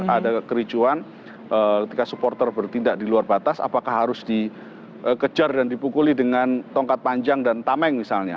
ada kericuan ketika supporter bertindak di luar batas apakah harus dikejar dan dipukuli dengan tongkat panjang dan tameng misalnya